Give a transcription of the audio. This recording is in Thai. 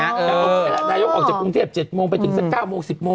นายยกออกจากกรุงเทียบ๗โมงไปถึงสัก๙โมง๑๐โมง